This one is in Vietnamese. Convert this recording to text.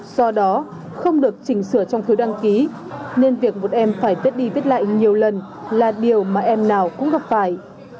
do đó không được chỉnh sửa trong phiếu đăng ký nên việc một em phải viết đi viết lại nhiều lần là điều mà em nào cũng gặp phải